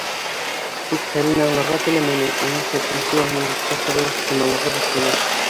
Тик хәлен аңларға теләмәне, уны шәп идеяһының юҡҡа сығыу ихтималлығы борсоно.